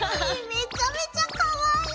めちゃめちゃかわいい！